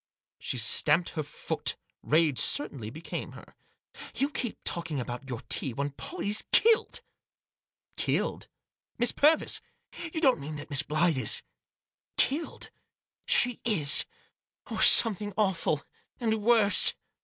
She stamped her foot ; rage certainly became her. "You keep talking about your tea, when Pollie's killed!" " Killed — Miss Purvis 1 You don't mean that Miss Blyth is— killed?" " She is !— or something awful — and worse